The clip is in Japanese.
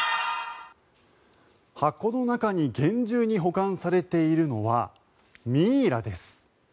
箱の中に厳重に保管されているのはミイラです。